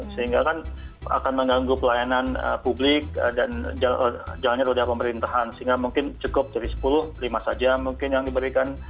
sehingga kan akan mengganggu pelayanan publik dan jalannya roda pemerintahan sehingga mungkin cukup jadi sepuluh lima saja mungkin yang diberikan